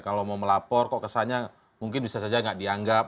kalau mau melapor kok kesannya mungkin bisa saja nggak dianggap